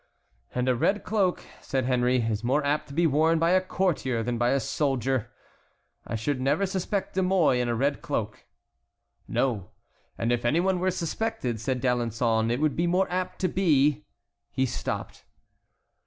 "And a red cloak," said Henry, "is more apt to be worn by a courtier than by a soldier. I should never suspect De Mouy in a red cloak." "No, if any one were suspected," said D'Alençon, "it would be more apt to be"— He stopped.